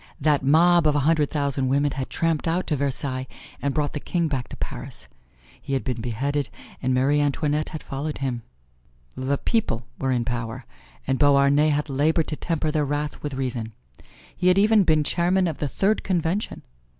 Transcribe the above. That mob of a hundred thousand women had tramped out to Versailles and brought the king back to Paris. He had been beheaded, and Marie Antoinette had followed him. The people were in power and Beauharnais had labored to temper their wrath with reason. He had even been Chairman of the Third Convention.